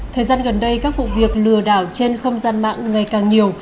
thời gian gần đây các vụ việc lừa đảo trên không gian mạng ngày càng nhiều